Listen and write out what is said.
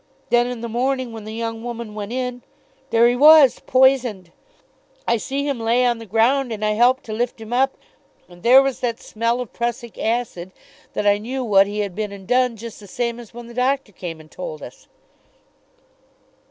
Then in the morning, when the young woman went in, there he was, poisoned! I see him lay on the ground, and I helped to lift him up, and there was that smell of prussic acid that I knew what he had been and done just the same as when the doctor came and told us."